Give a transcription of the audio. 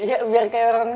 iya biar kayak orang aja